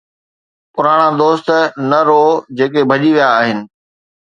پراڻا دوست نه روئو جيڪي ڀڄي ويا آهن